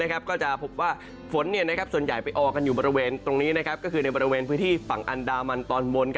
ก็จะพบว่าฝนส่วนใหญ่ไปออกกันอยู่บริเวณมาตรวนอันนดามันตอนบน